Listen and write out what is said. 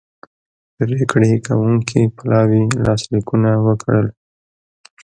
پریکړې کوونکي پلاوي لاسلیکونه وکړل